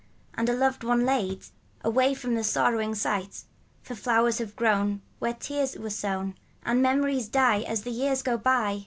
And a loved one laid Away from the sorrowing sight. For flowers have grown Where tears were sown, And memories die As the years go by.